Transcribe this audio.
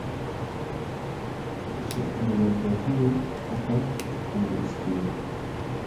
ji perwerdehiyê heta tenduristiyê